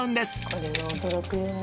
「これは驚くよね」